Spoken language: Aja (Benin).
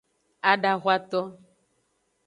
Adahwato.